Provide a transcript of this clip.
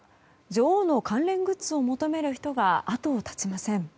女王の関連グッズを求める人が後を絶ちません。